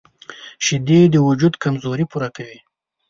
شیدې د وجود کمزوري پوره کوي